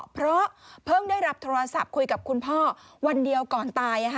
เพราะเพิ่งได้รับโทรศัพท์คุยกับคุณพ่อวันเดียวก่อนตาย